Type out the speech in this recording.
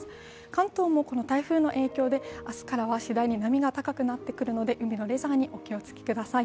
関東もこの台風の影響で、明日からは次第に波が高くなってくるのでの、海のレジャーにお気をつけください。